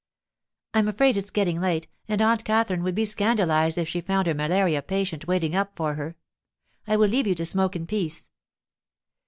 'I'm afraid it's getting late, and Aunt Katherine would be scandalized if she found her malaria patient waiting up for her. I will leave you to smoke in peace.